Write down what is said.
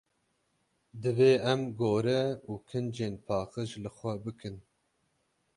Divê em gore û kincên paqij li xwe bikin.